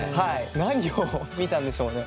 何を見たんでしょうね。